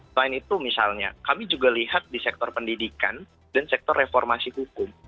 selain itu misalnya kami juga lihat di sektor pendidikan dan sektor reformasi hukum